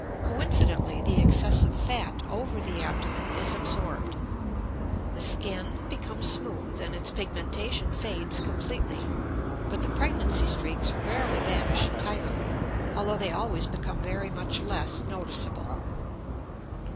Coincidently, the excessive fat over the abdomen is absorbed. The skin becomes smooth, and its pigmentation fades completely; but the pregnancy streaks rarely vanish entirely, although they always become very much less noticeable.